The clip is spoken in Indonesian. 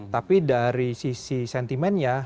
tapi dari sisi sentimen ya